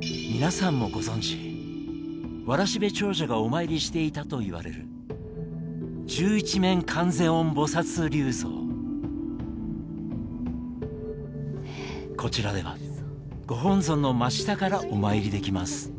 皆さんもご存じわらしべ長者がお参りしていたといわれるこちらではご本尊の真下からお参りできます。